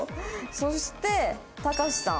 そしてたかしさん。